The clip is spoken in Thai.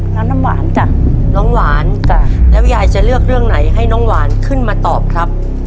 น้ำหวานจ้ะน้องหวานจ้ะแล้วยายจะเลือกเรื่องไหนให้น้องหวานขึ้นมาตอบครับ